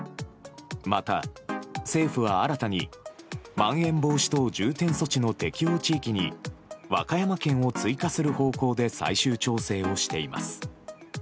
また政府は新たにまん延防止等重点措置適用地域に和歌山県を追加する方向で最終調整をしています。